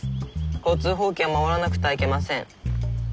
交通法規は守らなくてはいけません。